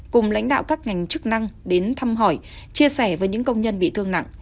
cùng lãnh đạo các ngành chức năng đến thăm hỏi chia sẻ với những công nhân bị thương nặng